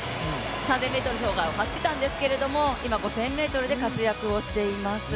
３０００ｍ障害を走っていたんですけど今、５０００ｍで活躍をしています。